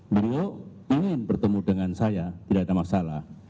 beliau ingin bertemu dengan saya tidak ada masalah